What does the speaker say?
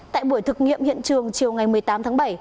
tại buổi thực nghiệm hiện trường chiều ngày một mươi tám tháng bảy